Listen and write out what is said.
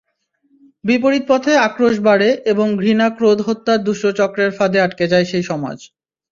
বিপরীত পথে আক্রোশ বাড়ে এবং ঘৃণা-ক্রোধ-হত্যার দুষ্টচক্রের ফাঁদে আটকে যায় সেই সমাজ।